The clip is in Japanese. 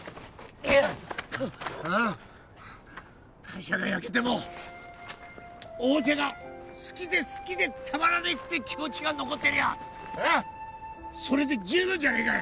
会社が焼けてもおもちゃが好きで好きでたまらねえって気持ちが残ってりゃそれで十分じゃねえか！